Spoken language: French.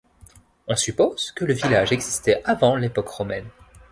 On suppose que le village existait avant l’époque romaine.